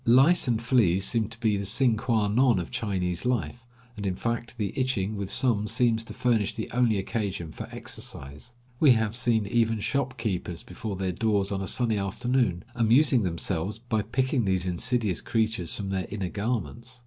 Lice and fleas seem to be the sine qua non of Chinese life, and in fact the itching with some seems to furnish the only occasion for exercise. We have seen even shopkeepers before 165 STATION OF SEB BOO TCHAN. their doors on a sunny afternoon, amusing themselves by picking these insidious creatures from their inner garments.